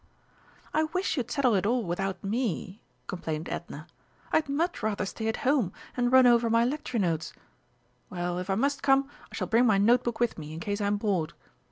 "I wish you'd settle it all without me," complained Edna. "I'd much rather stay at home, and run over my lecture notes.... Well, if I must come, I shall bring my note book with me in case I'm bored."